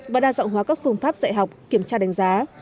và đa dọng hóa các phương pháp dạy học kiểm tra đánh giá